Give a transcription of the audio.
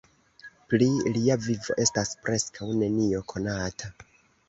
Pri lia vivo estas preskaŭ nenio konata.